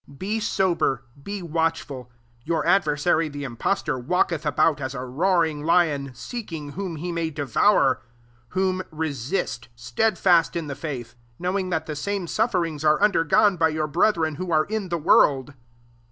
8 Be sober, be watchful: your adversary the impostor walketh about as a roaring lion, seeking whom he may devour : 9 whom resist^ stedfast in the faith ; knowing that the same sufferings are undergone by your brethren who are in the world.